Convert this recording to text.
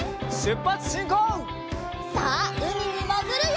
さあうみにもぐるよ！